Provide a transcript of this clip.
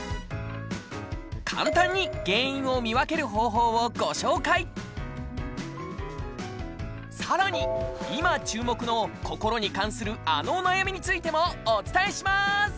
簡単に原因を見分ける方法をご紹介さらに今注目の心に関するあのお悩みについてもお伝えします！